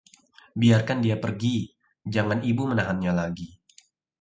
biarkan dia pergi, jangan Ibu menahannya lagi